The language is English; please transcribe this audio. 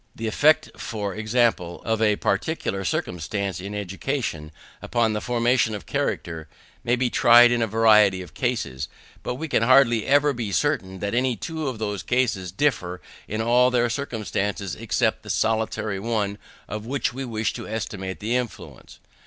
The effect, for example, of a particular circumstance in education, upon the formation of character, may be tried in a variety of cases, but we can hardly ever be certain that any two of those cases differ in all their circumstances except the solitary one of which we wish to estimate the influence.